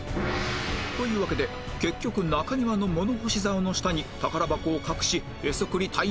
というわけで結局中庭の物干し竿の下に宝箱を隠しおっ帰ってきた。